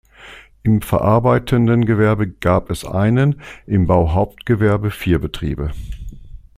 Im verarbeitenden Gewerbe gab es einen, im Bauhauptgewerbe vier Betriebe.